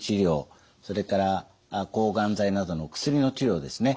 それから抗がん剤などの薬の治療ですね